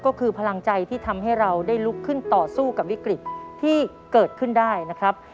ก็คือพลังใจที่ทำให้เราได้ลุกขึ้นต่อสู้กับวิกฤตที่เกิดขึ้นได้นะครับ